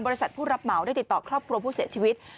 ผู้รับเหมาได้ติดต่อครอบครัวผู้เสียชีวิต